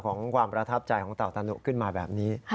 ความประทับใจของเต่าตานุขึ้นมาแบบนี้